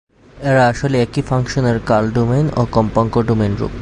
এরা আসলে একই ফাংশনের কাল-ডোমেইন ও কম্পাঙ্ক-ডোমেইন রূপ।